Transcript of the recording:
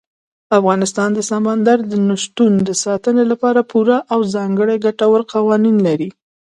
افغانستان د سمندر نه شتون د ساتنې لپاره پوره او ځانګړي ګټور قوانین لري.